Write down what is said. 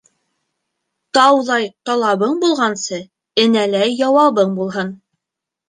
Тауҙай талабың булғансы, энәләй яуабың булһын.